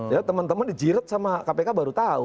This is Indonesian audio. ya temen temen dijiret sama kpk baru tahu